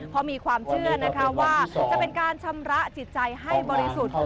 เพราะมีความเชื่อนะคะว่าจะเป็นการชำระจิตใจให้บริสุทธิ์